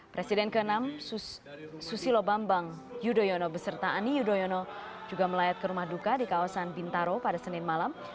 presiden ke enam susilo bambang yudhoyono beserta ani yudhoyono juga melayat ke rumah duka di kawasan bintaro pada senin malam